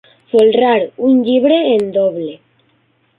Folrar un llibre en doble.